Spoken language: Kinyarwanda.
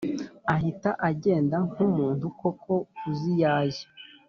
ahita agenda nkumuntu koko uziyajya.